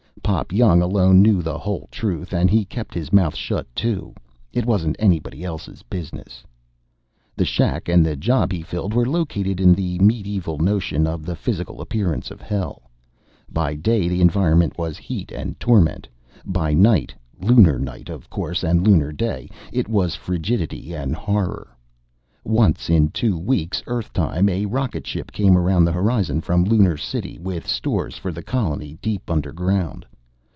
Pop Young alone knew the whole truth, and he kept his mouth shut, too. It wasn't anybody else's business. The shack and the job he filled were located in the medieval notion of the physical appearance of hell. By day the environment was heat and torment. By night lunar night, of course, and lunar day it was frigidity and horror. Once in two weeks Earth time a rocketship came around the horizon from Lunar City with stores for the colony deep underground.